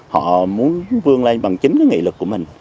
họ muốn vươn lên bằng chính nghị lực của mình